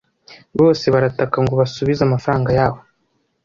Bose barataka ngo basubize amafaranga yabo.